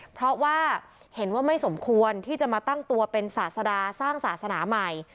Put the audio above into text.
เพราะว่าเห็นว่าไม่สมควรที่จะมาตั้งตัวเป็นศาสดาสร้างศาสนาใหม่